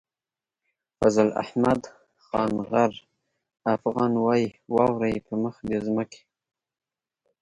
فضل احمد خان غر افغان وايي واورئ په مخ د ځمکې.